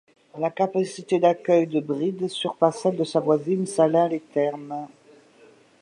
La capacité d'accueil de Brides surpasse celle de sa voisine Salins-les-Thermes.